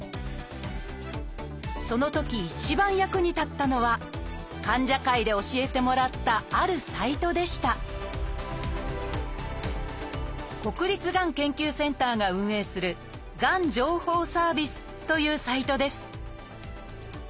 そのとき一番役に立ったのは患者会で教えてもらったあるサイトでした国立がん研究センターが運営する「がん情報サービス」というサイトです